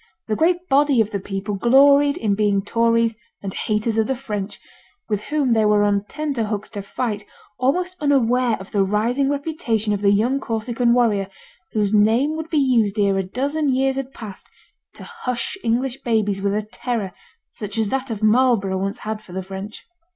The great body of the people gloried in being Tories and haters of the French, with whom they were on tenter hooks to fight, almost unaware of the rising reputation of the young Corsican warrior, whose name would be used ere a dozen years had passed to hush English babies with a terror such as that of Marlborough once had for the French.